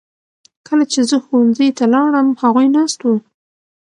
کله چې زه ښوونځي ته لاړم هغوی ناست وو.